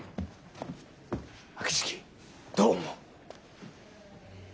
秋月どう思う？